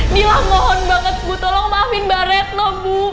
nilam mohon banget ibu tolong maafin mbak retno ibu